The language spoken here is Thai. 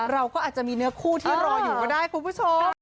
เราก็อาจจะมีเนื้อคู่ที่รออยู่ก็ได้คุณผู้ชม